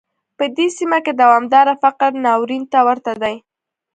په دې سیمه کې دوامداره فقر ناورین ته ورته دی.